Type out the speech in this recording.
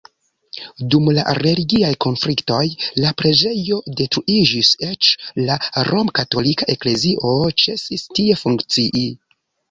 Dum la religiaj konfliktoj la preĝejo detruiĝis, eĉ la romkatolika eklezio ĉesis tie funkcii.